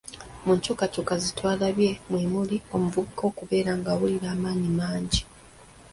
Mu nkyukykyuka ze twalabye mwe muli, omuvubuka okubeera ng'awulira amaanyi mangi.